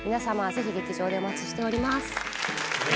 ぜひ劇場でお待ちしております